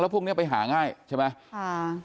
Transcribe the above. พวกนี้ไปหาง่ายใช่ไหม